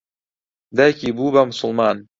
دایکی بوو بە موسڵمان.